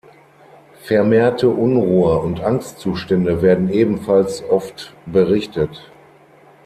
Vermehrte Unruhe und Angstzustände werden ebenfalls oft berichtet.